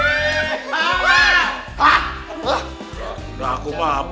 ya udah jangan banyak bercanda nih saya mau makan siang